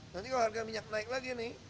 nanti kalau harga minyak naik lagi nih